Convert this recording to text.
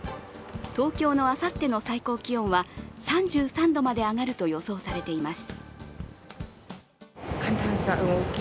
東京のあさっての最高気温は３３度まで上がると予想されています。